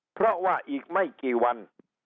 เพราะว่าอีกไม่กี่วัน